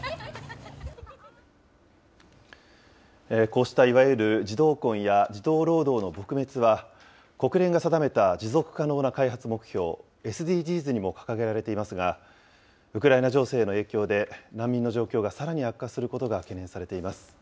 こうしたいわゆる児童婚や児童労働の撲滅は、国連が定めた持続可能な開発目標・ＳＤＧｓにも掲げられていますが、ウクライナ情勢の影響で、難民の状況がさらに悪化することが懸念されています。